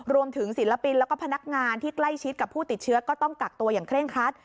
ศิลปินแล้วก็พนักงานที่ใกล้ชิดกับผู้ติดเชื้อก็ต้องกักตัวอย่างเคร่งครัด